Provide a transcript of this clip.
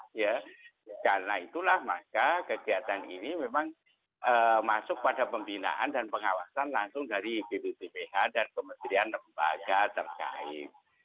karena itulah maka kegiatan ini memang masuk pada pembinaan dan pengawasan langsung dari bppbh dan kementerian lembaga terkait